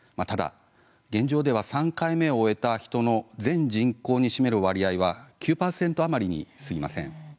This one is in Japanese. ただ現状では３回目を終えた人の全人口に占める割合は９％余りにすぎません。